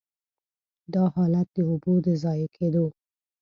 دا حالت د اوبو د ضایع کېدو.